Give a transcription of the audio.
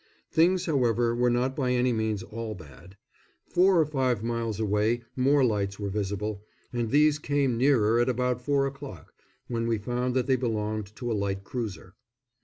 Things, however, were not by any means all bad. Four or five miles away more lights were visible, and these came nearer at about four o'clock, when we found that they belonged to a light cruiser.